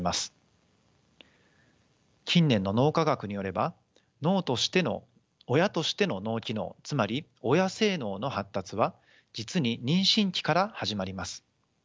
近年の脳科学によれば親としての脳機能つまり親性脳の発達は実に妊娠期から始まります。